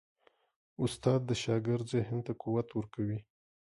استاد د شاګرد ذهن ته قوت ورکوي.